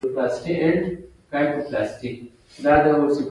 د ویښتانو ږمنځول د غوړو وېښتانو لپاره مهم دي.